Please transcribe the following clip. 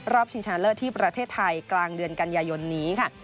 ชิงชนะเลิศที่ประเทศไทยกลางเดือนกันยายนนี้ค่ะ